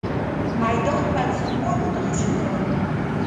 میدان بنسټپالو ته خوشې کول.